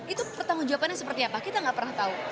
itu pertanggung jawabannya seperti apa kita gak pernah tahu